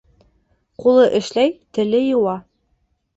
Ҡулы эшләй, теле йыуа.